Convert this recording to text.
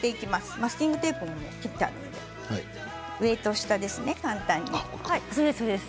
マスキングテープも切ってありますので上と下、簡単に。